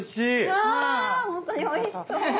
うわほんとにおいしそう！